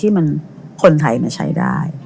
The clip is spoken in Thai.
ที่มันคนไทยจะใช้ได้